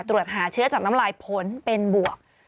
ตรวจหาเชื้อสังตำรายผลเป็นบวก